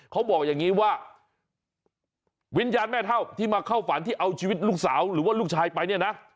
เขาบอกอย่างนี้ว่าวิญญาณแม่เท่าที่มาเข้าฝันที่เอาชีวิตลูกสาวหรือว่าลูกชายไปเนี่ยนะ